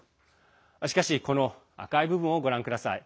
しかし、この赤い部分をご覧ください。